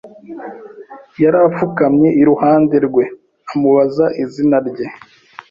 Yapfukamye iruhande rwe, amubaza izina rye.